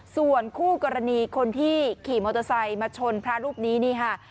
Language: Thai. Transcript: ส่วนคู่กรณีคนที่ขี่มอเตอร์ไซค์มาชนพระรูปนี้นี่ค่ะ